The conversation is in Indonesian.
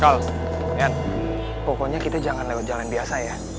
kal nen pokoknya kita jangan lewat jalan biasa ya